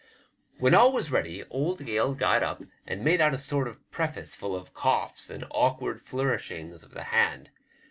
When all was ready, old Gale got up and made out a sort of preface full of coughs and awkward flourishings of the band.